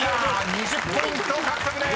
２０ポイント獲得です］